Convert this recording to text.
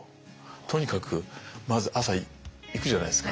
とにかくまず朝行くじゃないですか。